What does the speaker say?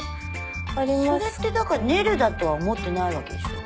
それってだからねるだとは思ってないわけでしょ？